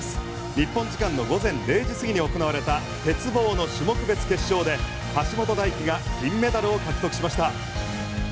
日本時間の午前０時過ぎに行われた鉄棒の種目別決勝で橋本大輝が金メダルを獲得しました。